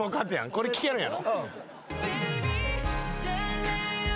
これ聴けるんやろ？